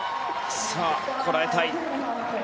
さあ、こらえたい。